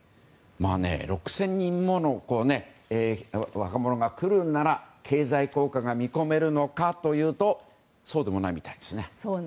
６０００人もの若者が来るなら経済効果が見込めるのかというとそうでもないみたいですね。